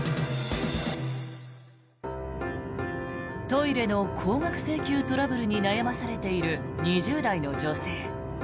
トイレの高額請求トラブルに悩まされている２０代の女性。